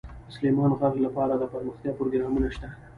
د سلیمان غر لپاره دپرمختیا پروګرامونه شته.